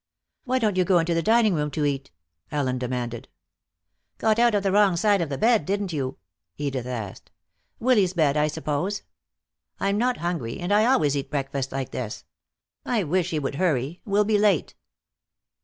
"Why don't you go into the dining room to eat?" Ellen demanded. "Got out of the wrong side of the bed, didn't you?" Edith asked. "Willy's bed, I suppose. I'm not hungry, and I always eat breakfast like this. I wish he would hurry. We'll be late."